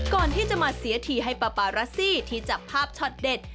ก่อนที่จะมาเสียทีให้ปาปารัสซี่ที่จับภาพช็อตเด็ด